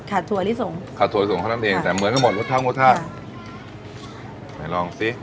ขาดถั่วลิสงขาดถั่วลิสงข้อน้ำเนี้ยแต่เหมือนกันหมดรสชาติรสชาติค่ะมาลองซิ